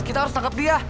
kita harus tangkap dia